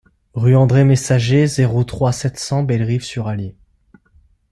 Rue Andre Messager, zéro trois, sept cents Bellerive-sur-Allier